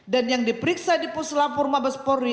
dan yang diperiksa di puslap forma bespori